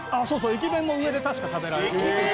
駅弁も上で確か食べられる。